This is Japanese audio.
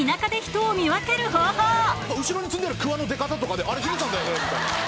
後ろに積んであるクワの出方とかで「あれヒデちゃんだよね」。